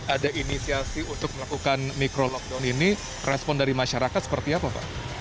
ada inisiasi untuk melakukan micro lockdown ini respon dari masyarakat seperti apa pak